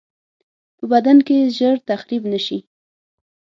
په بدن کې ژر تخریب نشي.